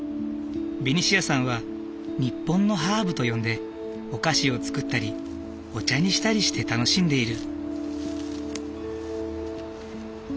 ベニシアさんは日本のハーブと呼んでお菓子を作ったりお茶にしたりして楽しんでいる。